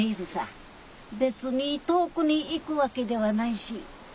別に遠くに行くわけではないし。